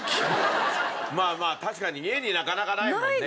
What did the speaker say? まあまあ確かに家になかなかないもんね